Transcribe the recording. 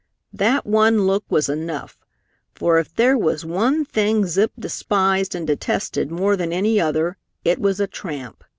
That one look was enough, for if there was one thing Zip despised and detested more than any other, it was a tramp.